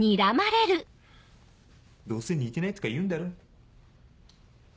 どうせ似てないとか言うんだろ？